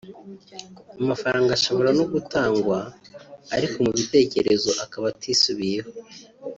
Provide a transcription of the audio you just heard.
amafaranga ashobora no gutangwa ariko mu bitekerezo akaba atisubiyeho